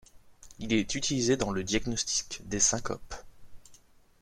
Il est utilisé dans le diagnostic des syncopes.